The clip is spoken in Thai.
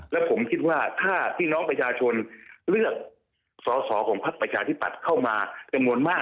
และผมคิดว่าถ้าพี่น้องประชาชนเลือกสอสอของพักประชาธิปัตย์เข้ามาจำนวนมาก